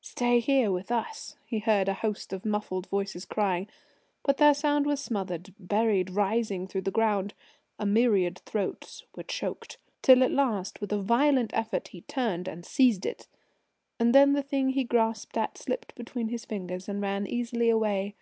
"Stay here with us," he heard a host of muffled voices crying, but their sound was smothered, buried, rising through the ground. A myriad throats were choked. Till, at last, with a violent effort he turned and seized it. And then the thing he grasped at slipped between his fingers and ran easily away.